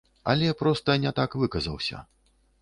Але проста не так выказаўся.